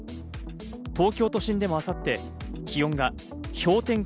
東京都心でも明後日、気温が氷点下